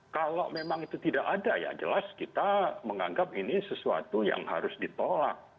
kalau memang itu tidak ada ya jelas kita menganggap ini sesuatu yang harus ditolak